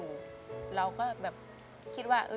คุณหมอบอกว่าเอาไปพักฟื้นที่บ้านได้แล้ว